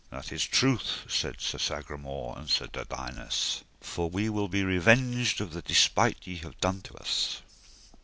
That is truth, said Sir Sagramore and Sir Dodinas, for we will be revenged of the despite ye have done to us.